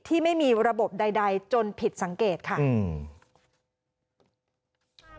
ที่ไม่มีระบบใดใดจนผิดสังเกตค่ะอืม